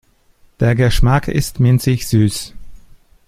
Der Geschmack ist minzig-süß.